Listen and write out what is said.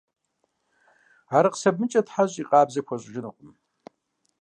Арыкъ сабынкӀэ тхьэщӀи къабзэ пхуэщӀыжынкъым.